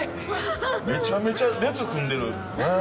めちゃめちゃ列組んでる。ねぇ。